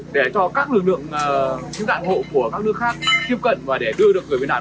để cho các lực lượng cứu nạn hộ của các nước khác tiếp cận và để đưa được người nạn vẫn còn sống cho nơi an toàn